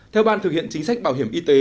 theo ban thực hiện chính sách bảo hiểm y tế